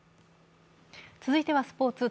続いてはスポーツ。